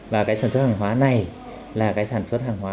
và cái sản xuất hàng hóa này là cái sản xuất hàng hóa